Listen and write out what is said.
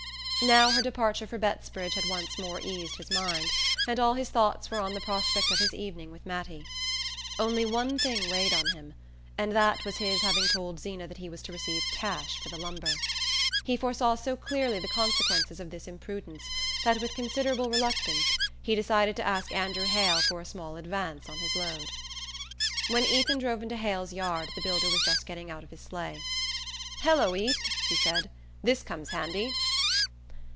Now her departure for Bettsbridge had once more eased his mind, and all his thoughts were on the prospect of his evening with Mattie. Only one thing weighed on him, and that was his having told Zeena that he was to receive cash for the lumber. He foresaw so clearly the consequences of this imprudence that with considerable reluctance he decided to ask Andrew Hale for a small advance on his load. When Ethan drove into Hale's yard the builder was just getting out of his sleigh. "Hello, Ethe!" he said. "This comes handy."